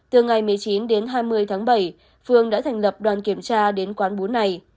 từ ngày một mươi chín đến hai mươi tháng bảy phương đã thành lập đoàn kiểm tra đến quán búa này